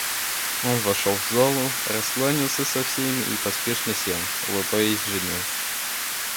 Он вошел в залу, раскланялся со всеми и поспешно сел, улыбаясь жене.